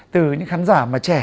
từ những khán giả mà trẻ